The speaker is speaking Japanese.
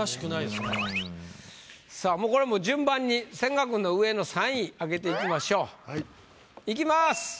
さぁこれはもう順番に千賀君の上の３位開けていきましょういきます。